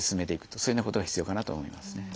そういうようなことが必要かなと思いますね。